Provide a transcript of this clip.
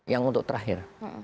yang untuk terakhir